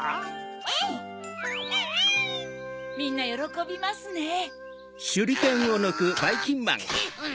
・みんなよろこびますね・うん！